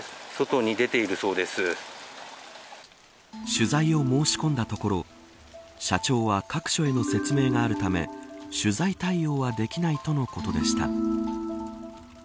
取材を申し込んだところ社長は各所への説明があるため取材対応はできないとのことでした。